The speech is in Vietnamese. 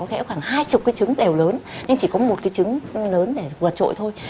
gã khoảng hai mươi cái trứng đều lớn nhưng chỉ có một cái trứng lớn để vượt trội thôi